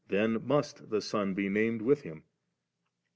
then must the Son be named wiA Him".